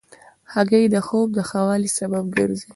هګۍ د خوب د ښه والي سبب ګرځي.